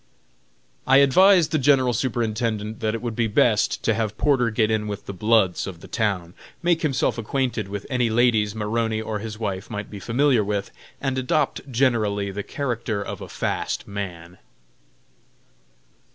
I advised the General Superintendent that it would be best to have Porter get in with the "bloods" of the town, make himself acquainted with any ladies Maroney or his wife might be familiar with, and adopt generally the character of a fast man.